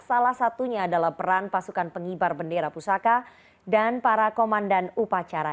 salah satunya adalah peran pasukan pengibar bendera pusaka dan para komandan upacara